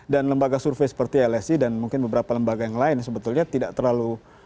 dan lembaga survei seperti lsi dan mungkin beberapa lembaga yang lain sebetulnya tidak terlalu